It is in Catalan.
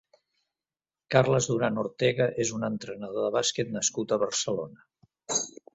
Carles Duran Ortega és un entrenador de bàsquet nascut a Barcelona.